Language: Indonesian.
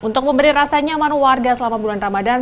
untuk memberi rasanya aman warga selama bulan ramadan